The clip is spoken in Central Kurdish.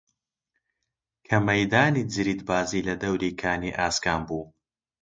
کە مەیدانی جریدبازی لە دەوری کانی ئاسکان بوو